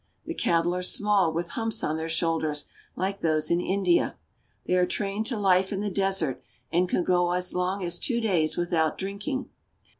The cattle are small, with humps on their shoul .ders, like those of India, They are trained to life in the desert and can go as long as two days without drinking.